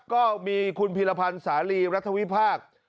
ก็มีคุณพีรพันธ์สาลีรัฐวิพากษ์